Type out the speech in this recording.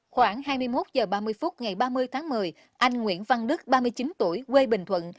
khoảng hai mươi một h ba mươi phút ngày ba mươi tháng một mươi anh nguyễn văn đức ba mươi chín tuổi quê bình thuận